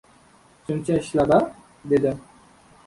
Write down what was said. — Shuncha ishlab-a? — dedim.